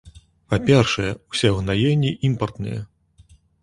Па-першае, усе ўгнаенні імпартныя.